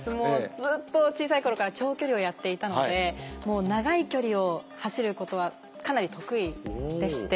ずっと小さい頃から長距離をやっていたので長い距離を走ることはかなり得意でして。